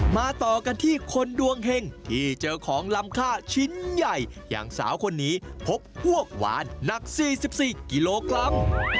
ต่อกันที่คนดวงเห็งที่เจอของลำค่าชิ้นใหญ่อย่างสาวคนนี้พบพวกหวานหนัก๔๔กิโลกรัม